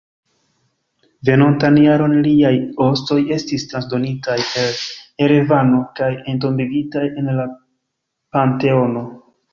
Venontan jaron liaj ostoj estis transdonitaj al Erevano kaj entombigitaj en la Panteono.